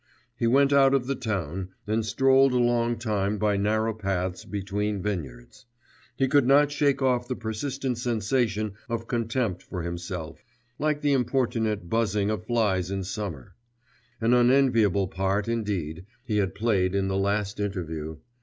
He went out of the town, and strolled a long time by narrow paths between vineyards; he could not shake off the persistent sensation of contempt for himself, like the importunate buzzing of flies in summer: an unenviable part, indeed, he had played in the last interview....